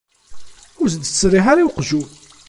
Ur as-d-ttserriḥ ara i weqjun.